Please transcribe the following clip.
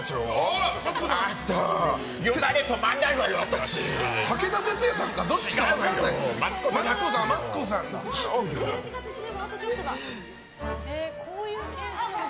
よだれ止まんないわよ、あたし！